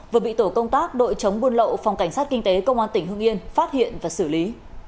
vừa bị tổ công tác đội chống buôn lậu phòng cảnh sát kinh tế công an tỉnh hương yên phát hiện và xử lý